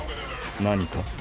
何か？